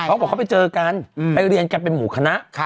เขาบอกเขาไปเจอกันไปเรียนกันเป็นหมู่คณะ